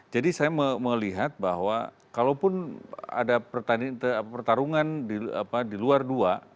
jadi saya melihat bahwa kalaupun ada pertarungan di luar dua